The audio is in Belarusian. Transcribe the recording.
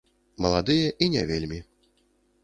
Маладыя і не вельмі.